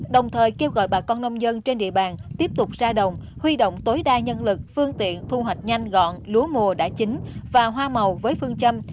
đồng thời kêu gọi bà con nông dân trên địa bàn tiếp tục ra đồng huy động tối đa nhân lực phương tiện thu hoạch nhanh gọn lúa mùa đã chính và hoa màu với phương châm